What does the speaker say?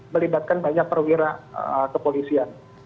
melibatkan banyak perwira kepolisian